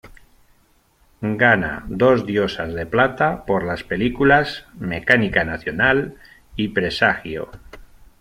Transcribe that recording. Gana dos Diosas de Plata por las películas, "Mecánica nacional" y "Presagio".